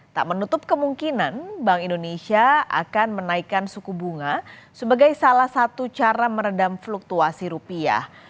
tak menutup kemungkinan bank indonesia akan menaikkan suku bunga sebagai salah satu cara meredam fluktuasi rupiah